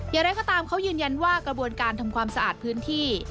อย่างไรก็ตามเขายืนยันว่ากระบวนการทำความสะอาดพื้นที่